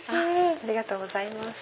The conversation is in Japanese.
ありがとうございます。